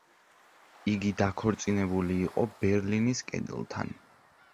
იგი „დაქორწინებული“ იყო ბერლინის კედელთან.